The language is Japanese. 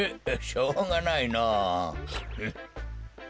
しょうがないのぉ。